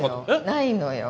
ないのよ。